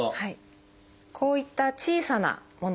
こういった小さなもの